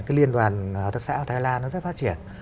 cái liên đoàn hợp tác xã ở thái lan nó rất phát triển